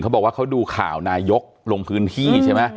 บอกว่าเขาดูข่าวนายกลงพื้นที่ใช่ไหม